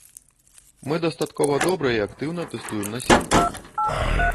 Мы дастаткова добра і актыўна тэстуем насельніцтва.